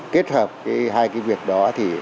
kết hợp hai cái việc đó